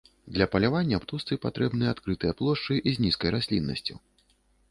Для палявання птушцы патрэбны адкрытыя плошчы з нізкай расліннасцю.